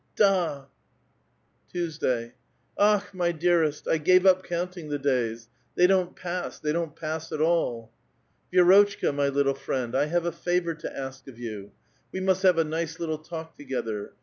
cZa/" Tuesday. —^^ Akh! my dearest,* I gave up counting the days. They don't pass, — they don't pass at all." *' Vi6rotchka, my little friend, I have a favor to ask of you. We must have a nice little talk together.